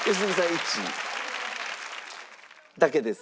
１。だけです。